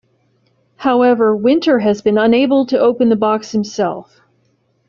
However, Winter has been unable to open the box himself.